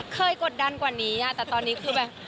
กดดันกว่านี้แต่ตอนนี้คือแบบ